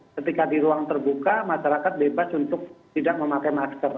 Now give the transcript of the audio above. ketika di ruang terbuka masyarakat bebas untuk tidak memakai masker